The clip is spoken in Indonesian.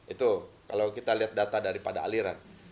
itu kalau kita lihat data daripada aliran